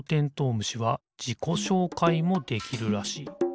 むしはじこしょうかいもできるらしい。